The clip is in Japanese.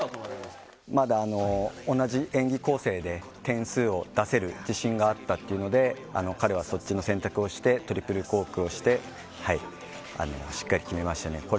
まだ同じ演技構成で点数を出せる自信があったって言うので、彼はそっちの選択をして、トリプルコークをしてしっかり決めましたね。